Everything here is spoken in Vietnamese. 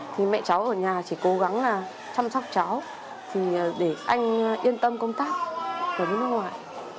thì mẹ cháu ở nhà chỉ cố gắng là chăm sóc cháu thì để anh yên tâm công tác ở nước ngoài